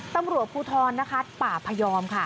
ตำรวจภูทรนะคะป่าพยอมค่ะ